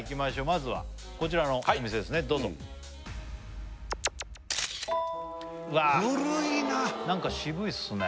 まずはこちらのお店ですねどうぞうわあ古いななんか渋いっすね